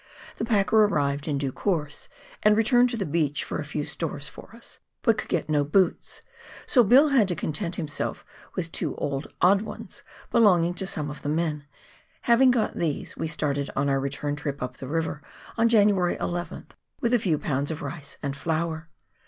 The packer arrived in due course, and returned to the beach for a few stores for us, but could get no boots, so Bill had to content himself with two old odd ones belonging to some of the men ; having got these, we started on our return up the river on January 11th with a few pounds of rice and flour.